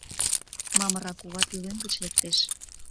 Мамыра кува пӧлем гыч лектеш.